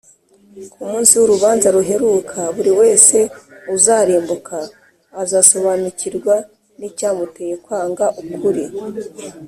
Ku munsi w’urubanza ruheruka, buri wese uzarimbuka azasobanukirwa n’icyamuteye kwanga ukuri